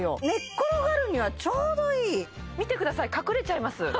寝っ転がるにはちょうどいい見てください隠れちゃいます